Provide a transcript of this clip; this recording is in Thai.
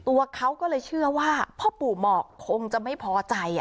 ตัวเขาก็เลยเชื่อว่าพ่อปู่หมอกคงจะไม่พอใจ